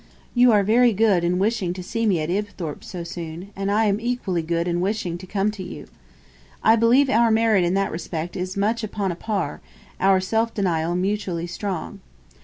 You are very good in wishing to see me at Ibthorp so soon, and I am equally good in wishing to come to you. I believe our merit in that respect is much upon a par, our self denial mutually strong.